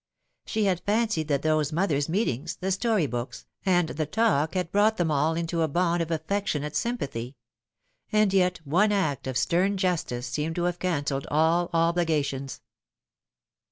She had fancied that those mothers' meetings, the story books, and the talk had brought them all into a bond of affectionate sympathy ; and yet one act of stem justice seemed to have cancelled all obligations.